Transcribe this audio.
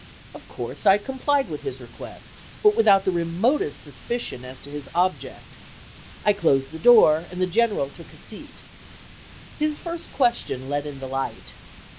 Of course I complied with his request, but without the remotest suspicion as to his object. I closed the door, and the General took a seat. His first question let in the light.